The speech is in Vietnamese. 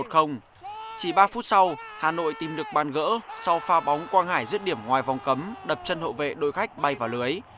hà nội tìm được bàn gỡ sau pha bóng quang hải giết điểm ngoài vòng cấm đập chân hậu vệ đối khách bay vào lưới